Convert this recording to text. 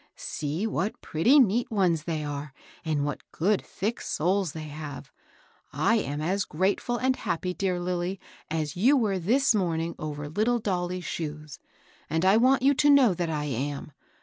See what pretty, neat ones they are, and what good, thick soles they have 1 I am as grateful and happy, dear Lilly, as you were this morning over little Dolly's shoes, and I want you to know that I am.